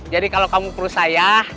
jadi kalau kamu perlu saya